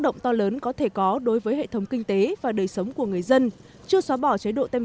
động to lớn có thể có đối với hệ thống kinh tế và đời sống của người dân chưa xóa bỏ chế độ tâm